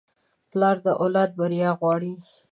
پلار د اولاد بریا غواړي.